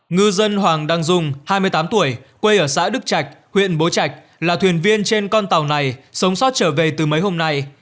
ngư dân hoàng đăng dung hai mươi tám tuổi quê ở xã đức trạch huyện bố trạch là thuyền viên trên con tàu này sống sót trở về từ mấy hôm nay